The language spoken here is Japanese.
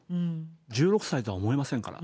１６歳とは思えませんから。